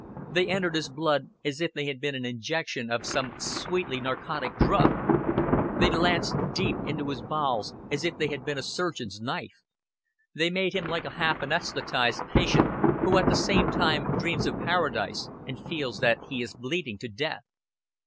They entered his blood as if they had been an injection of some sweetly narcotic drug; thy lanced deep into his bowels as if they had been a surgeon's knife; they made him like a half anesthetized patient who at the same time dreams of paradise and feels that he is bleeding to death.